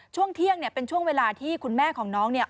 ช่วงเที่ยงเนี่ยเป็นช่วงเวลาที่คุณแม่ของน้องเนี่ย